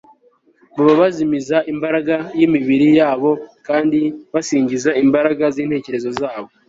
baba bazimiza imbaraga y'imibiri yabo, kandi basigingiza imbaraga z'intekerezo zabo